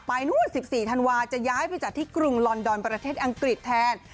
นู้น๑๔ธันวาจะย้ายไปจัดที่กรุงลอนดอนประเทศอังกฤษแทน